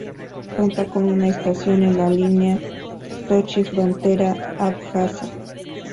Cuenta con una estación en la línea Sochi-frontera abjasa.